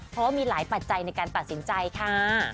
เพราะว่ามีหลายปัจจัยในการตัดสินใจค่ะ